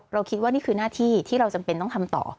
คิดว่านี่คือหน้าที่ที่เราจำเป็นต้องทำต่อ